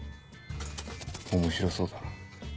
面白そうだな。